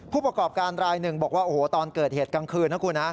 ผู้ประกอบการรายหนึ่งบอกว่าโอ้โหตอนเกิดเหตุกลางคืนนะคุณนะ